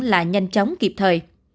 là nhanh chóng kịp thời